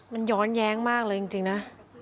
มันย้อนแย้งมากเลยจริงนะ